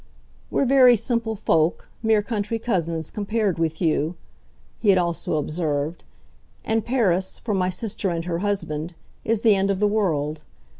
"We're very simple folk, mere country cousins compared with you," he had also observed, "and Paris, for my sister and her husband, is the end of the world.